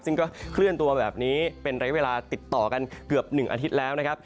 ซึ่งก็เคลื่อนตัวแบบนี้เป็นระยะเวลาติดต่อกันเกือบ๑อาทิตย์แล้วนะครับ